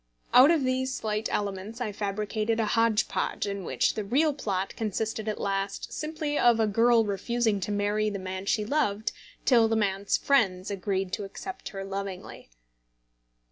Out of these slight elements I fabricated a hodge podge in which the real plot consisted at last simply of a girl refusing to marry the man she loved till the man's friends agreed to accept her lovingly.